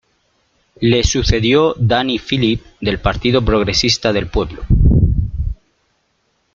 Le sucedió Danny Philip del Partido Progresista del Pueblo.